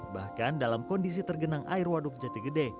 bahkan dalam kondisi tergenang air waduk jati gede